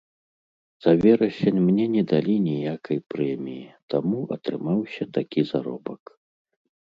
За верасень мне не далі ніякай прэміі, таму атрымаўся такі заробак.